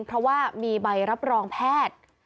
เพราะว่ามีใบรับรองแพทย์